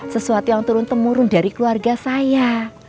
sesuatu yang turun temurun dari keluarga saya